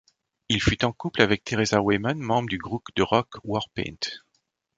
Il fut en couple avec Theresa Wayman membre du groupe de rock Warpaint.